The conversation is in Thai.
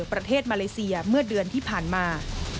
ประเทศมาเลเซียเมื่อเดือนที่ผ่านมา